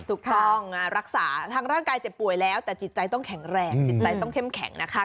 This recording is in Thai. ถูกต้องรักษาทางร่างกายเจ็บป่วยแล้วแต่จิตใจต้องแข็งแรงจิตใจต้องเข้มแข็งนะคะ